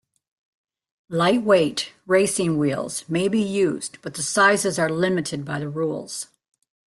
Lightweight racing wheels may be used, but the sizes are limited by the rules.